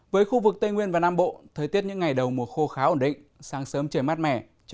với khu vực tây nguyên và nam bộ thời tiết những ngày đầu mùa khô khá ổn định